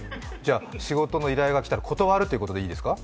仕事の依頼が来たら断るということでいいですか？